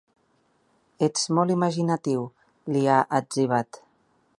Ets molt imaginatiu, li ha etzibat.